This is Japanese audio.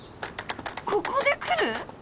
ここで来る？